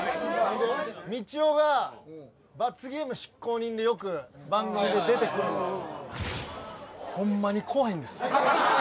みちおが罰ゲーム執行人でよく番組で出てくるんですよ